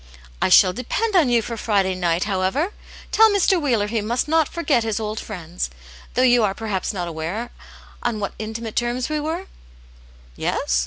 I shall depend on you for Friday night, however. Tell Mr. Wheeler he must not forget his old friends. Though you are perhaps not aware on what intimate terms we were? Yes?